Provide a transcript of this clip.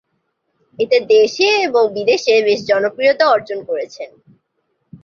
এতে দেশে এবং বিদেশে বেশ জনপ্রিয়তা অর্জন করেছেন।